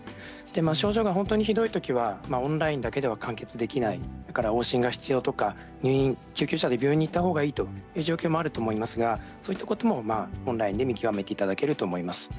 症状が本当にひどいときはオンラインだけでは完結できないから往診が必要とか救急車で病院に行ったほうがいいということはありますがそういったこともオンラインで見極めていただけると思います。